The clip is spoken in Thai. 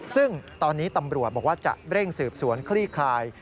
ซึ่งตอนนี้ตำรวจบอกว่าจะเร่งสืบสวนคลี่คลาย